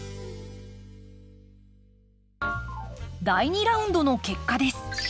第２ラウンドの結果です。